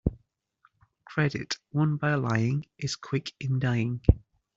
Credit won by lying is quick in dying.